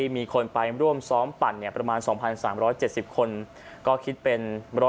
มีคนไปร่วมซ้อมปั่นประมาณ๒๓๗๐คนก็คิดเป็น๑๐๐